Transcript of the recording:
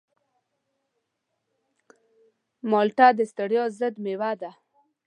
مالټه د ستړیا ضد مېوه ده.